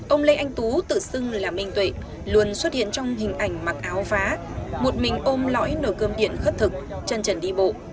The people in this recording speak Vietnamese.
ông lê anh tú tự xưng là minh tuệ luôn xuất hiện trong hình ảnh mặc áo phá một mình ôm lõi nồ cơm điện khất thực chân trần đi bộ